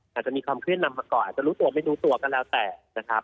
อาจจะมีความเคลื่อนนำมาก่อนอาจจะรู้ตัวไม่รู้ตัวก็แล้วแต่นะครับ